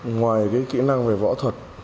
ngoài cái kỹ năng về võ thuật